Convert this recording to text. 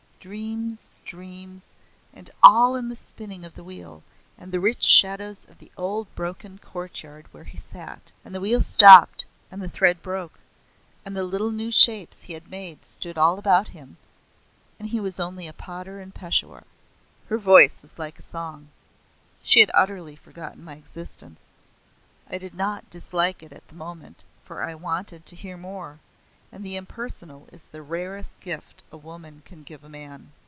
Dreams, dreams, and all in the spinning of the wheel, and the rich shadows of the old broken courtyard where he sat. And the wheel stopped and the thread broke, and the little new shapes he had made stood all about him, and he was only a potter in Peshawar." Her voice was like a song. She had utterly forgotten my existence. I did not dislike it at the moment, for I wanted to hear more, and the impersonal is the rarest gift a woman can give a man.